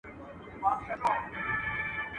ړوند يو وار امسا ورکوي.